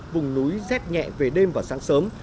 vùng núi rét nhẹ về đêm và sáng sớm